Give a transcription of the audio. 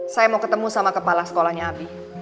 saya mau ketemu sama kepala sekolahnya abi